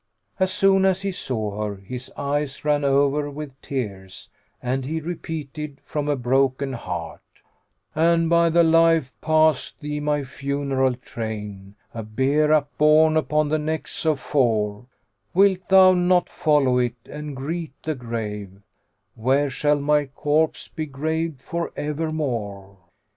As soon as he saw her, his eyes ran over with tears and he repeated from a broken heart, "An, by thy life, pass thee my funeral train, * A bier upborne upon the necks of four, Wilt thou not follow it, and greet the grave * Where shall my corpse be graved for evermore?"